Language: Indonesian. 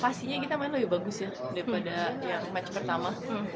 pastinya kita main lebih bagus ya daripada yang match pertama